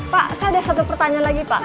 pak saya ada satu pertanyaan lagi pak